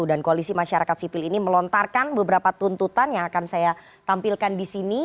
kepada kpu kepada komisi masyarakat sipil ini melontarkan beberapa tuntutan yang akan saya tampilkan di sini